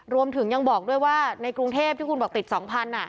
รวมถึงยังบอกด้วยว่าในกรุงเทพที่คุณบอกติด๒๐๐บาท